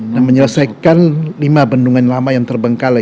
dan menyelesaikan lima bendungan lama yang terbengkalai